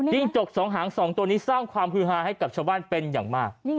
จกสองหาง๒ตัวนี้สร้างความฮือฮาให้กับชาวบ้านเป็นอย่างมาก